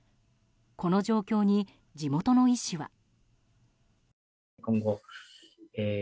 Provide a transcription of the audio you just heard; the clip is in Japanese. この状況に地元の医師は。